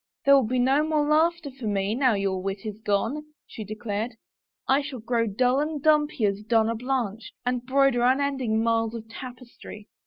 " There will be no more laughter for me now your wit is gone," she declared. " I shall grow dull and dumpy as Donna Blanche,* and broider unending miles of tapes try.